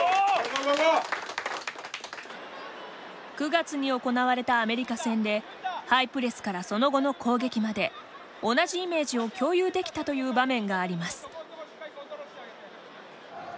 ９月に行われたアメリカ戦でハイプレスからその後の攻撃まで同じイメージを共有できたという場面があります。